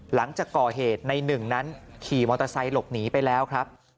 หลังจากก่อเหตุในหนึ่งนั้นขี่มอเตอร์ไซค์หลบหนีไปแล้วครับ